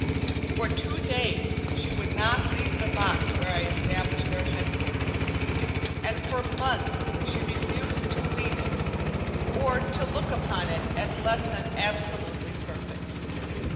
For two days she would not leave the box where I established their headquarters, and for months she refused to wean it, or to look upon it as less than absolutely perfect.